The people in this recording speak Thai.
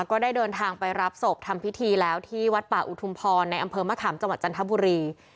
ก็ได้เดินทางไปรับศพทำพิธีแล้วที่วัดป่าอุทุมพรในอำเภอมะขามจังหวัดจันทบุรี